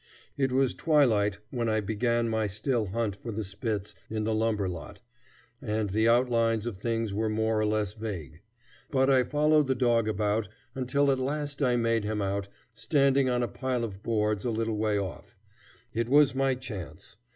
It was twilight when I began my still hunt for the spitz in the lumber lot, and the outlines of things were more or less vague; but I followed the dog about until at last I made him out standing on a pile of boards a little way off. It was my chance.